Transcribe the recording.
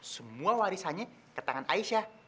semua warisannya ke tangan aisyah